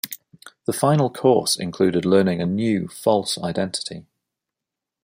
The final course included learning a new, false identity.